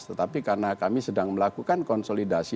tetapi karena kami sedang melakukan konsolidasi